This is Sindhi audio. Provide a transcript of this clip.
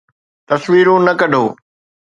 تصويرون نه ڪڍو